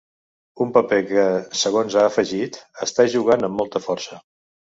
Un paper que, segons que ha afegit, ‘està jugant amb molta força’.